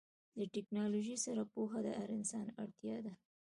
د ټیکنالوژۍ سره پوهه د هر انسان اړتیا ده.